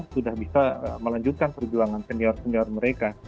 sudah bisa melanjutkan perjuangan senior senior mereka